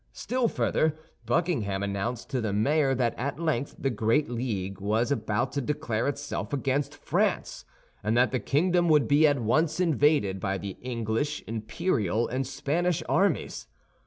Still further, Buckingham announced to the mayor that at length the great league was about to declare itself against France, and that the kingdom would be at once invaded by the English, Imperial, and Spanish armies.